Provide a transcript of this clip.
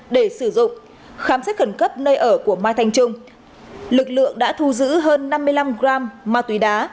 để sử dụng khám xét khẩn cấp nơi ở của mai thanh trung lực lượng đã thu giữ hơn năm mươi năm gram ma túy đá